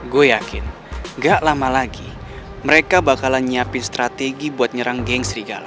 gue yakin gak lama lagi mereka bakalan nyiapin strategi buat nyerang geng serigala